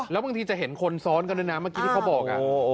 แล้วบางทีจะเห็นคนซ้อนกันด้วยนะเมื่อกี้ที่เขาบอก